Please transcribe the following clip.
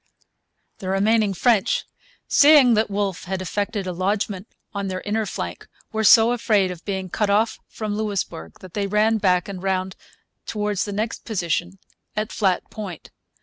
The remaining French, seeing that Wolfe had effected a lodgment on their inner flank, were so afraid of being cut off from Louisbourg that they ran back and round towards the next position at Flat Point.